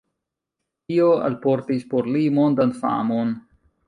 Tio alportis por li mondan famon.